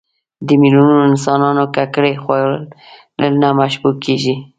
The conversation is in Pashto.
د میلیونونو انسانانو ککرې خوړل نه مشبوع کېږي.